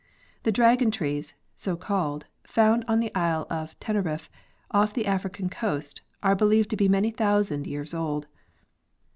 The dragon trees, so called, found on the island of Tenerife, off the African coast, are believed to be many thousand years old.